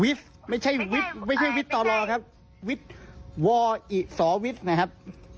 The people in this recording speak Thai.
วิธย์ไม่ใช่วิธย์ไม่ใช่วิธย์ต่อรอครับวิธย์วออิสอวิธย์นะครับ